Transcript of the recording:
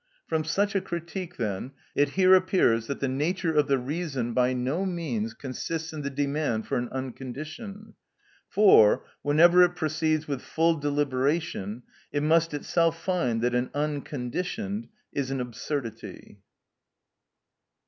From such a critique, then, it here appears that the nature of the reason by no means consists in the demand for an unconditioned; for, whenever it proceeds with full deliberation, it must itself find that an unconditioned is an absurdity.